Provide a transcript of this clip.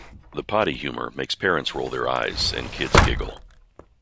The potty humor makes parents roll their eyes and kids giggle.